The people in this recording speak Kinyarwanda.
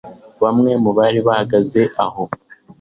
bamwe mu bari bahagaze aho